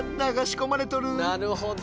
なるほど。